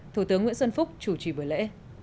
thủ tướng nguyễn xuân phúc chủ trì bữa lễ